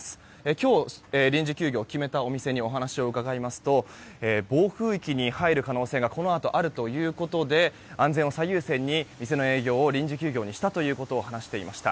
今日、臨時休業を決めたお店にお話を伺いますと暴風域に入る可能性がこのあと、あるということで安全を最優先に店の営業を臨時休業にしたと話していました。